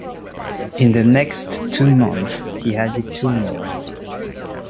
In the next two months he added two more.